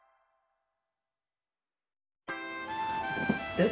えっ？